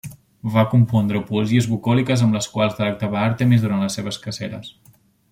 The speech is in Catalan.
Va compondre poesies bucòliques amb les quals delectava Àrtemis durant les seves caceres.